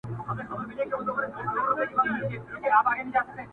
نو پيدا يې كړه پيشو توره چالاكه!!